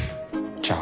じゃあ。